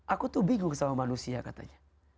aku tuh bingung sama manusia katanya